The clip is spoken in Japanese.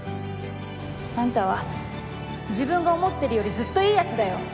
あんたは自分が思ってるよりずっといいやつだよ